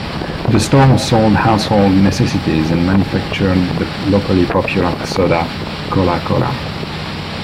The store sold household necessities and manufactured the locally popular soda, Kohlah Cola.